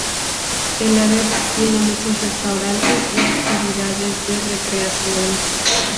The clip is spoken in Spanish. El área tiene muchos restaurantes y actividades de recreación.